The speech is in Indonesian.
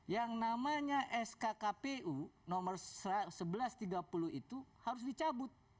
yang namanya sk kpu nomor seribu satu ratus tiga puluh itu harus dicabut